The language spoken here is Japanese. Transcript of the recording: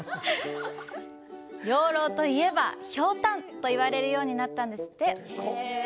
養老といえばひょうたん！といわれるようになったんですって。